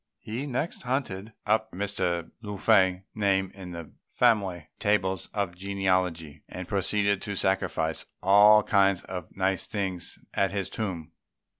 He next hunted up Mr. Lung fei's name in the family tables of genealogy, and proceeded to sacrifice all kinds of nice things at his tomb.